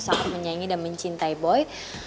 sangat menyanyi dan mencintai boy